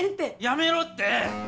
やめろって！